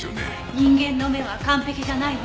人間の目は完璧じゃないわ。